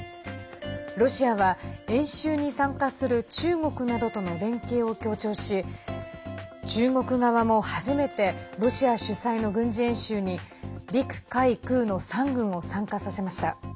ロシアは、演習に参加する中国などとの連携を強調し中国側も初めてロシア主催の軍事演習に陸海空の３軍を参加させました。